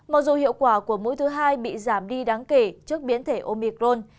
mặc dù hiệu quả của mũi thứ hai bị giảm đi đáng kể trước biến thể omicron